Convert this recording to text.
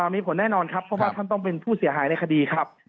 มีผลแน่นอนครับเพราะว่าท่านต้องเป็นผู้เสียหายในคดีครับ